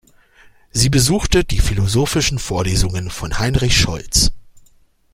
Sie besuchte die philosophischen Vorlesungen von Heinrich Scholz.